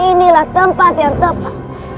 inilah tempat yang tepat